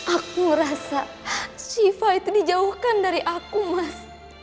aku ngerasa shiva itu dijauhkan dari aku mas